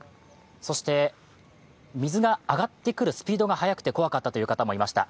そして、水が上がってくるスピードが速くて怖かったという方もいました。